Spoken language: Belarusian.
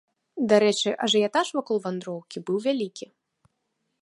Дарэчы ажыятаж вакол вандроўкі быў вялікі.